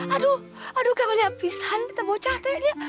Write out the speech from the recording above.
aduh aduh kamu lihat pisang tembocah teh iya